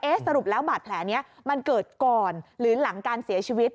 สรุปแล้วบาดแผลนี้มันเกิดก่อนหรือหลังการเสียชีวิต